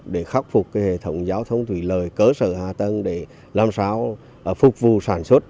để khắc phục hệ thống giao thông thủy lợi cơ sở hạ tân để làm sao phục vụ sản xuất